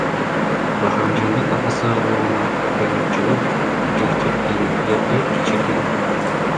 Бахрамжандын апасы уулуна кыйынчылык келтиргендерди кечирген.